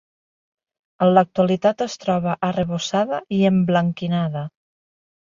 En l'actualitat es troba arrebossada i emblanquinada.